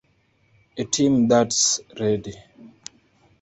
A team that's ready.